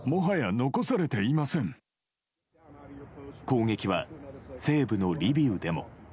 攻撃は西部のリビウでも。